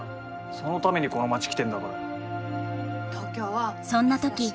そのためにこの町来てんだからよ。